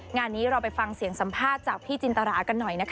งานนี้เราไปฟังเสียงสัมภาษณ์จากพี่จินตรากันหน่อยนะคะ